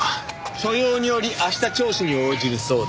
所用により明日聴取に応じるそうです。